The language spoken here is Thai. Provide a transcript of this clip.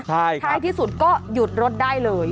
ท้ายที่สุดก็หยุดรถได้เลย